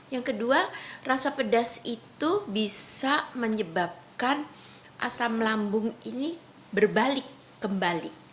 yang kedua rasa pedas itu bisa menyebabkan asam lambung ini berbalik kembali